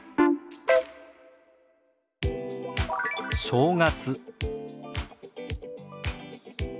「正月」。